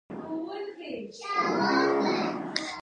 انګریزان د جګړې ډګر ته را دانګلي.